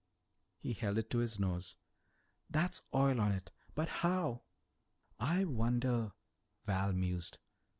He held it to his nose. "That's oil on it. But how ?" "I wonder " Val mused.